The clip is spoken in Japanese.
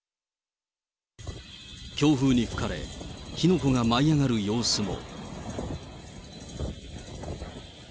強風に吹かれ、火の粉が舞い上がる様子も。